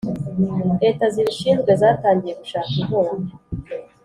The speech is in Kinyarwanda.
Leta zibishinzwe zatangiye gushaka inkunga